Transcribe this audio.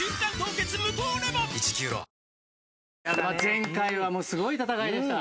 前回はすごい戦いでした。